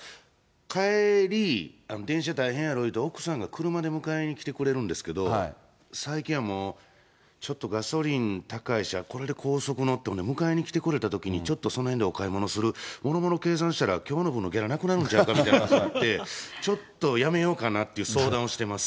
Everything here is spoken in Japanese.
帰り、電車大変やろう言うて、奥さんが車で迎えにきてくれるんですけれども、最近はもう、ちょっとガソリン高いし、これで高速乗って迎えに来てくれたときに、ちょっとその辺でお買い物する、もろもろ計算したらきょうの分のギャラなくなるんじゃないかなっていう話になって、ちょっとやめようかなって相談をしてます。